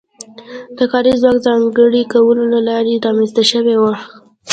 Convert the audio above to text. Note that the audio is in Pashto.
د کاري ځواک د ځانګړي کولو له لارې رامنځته شوې وه.